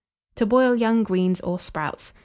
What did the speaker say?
TO BOIL YOUNG GREENS OR SPROUTS.